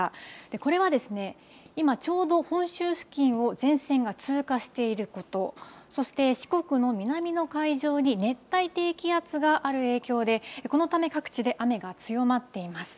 これは今、ちょうど本州付近を前線が通過していること、そして四国の南の海上に熱帯低気圧がある影響で、このため、各地で雨が強まっています。